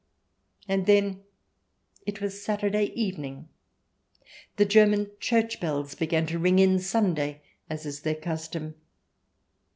And then — it was Saturday evening — the German church bells began to ring in Sunday, as is their custom.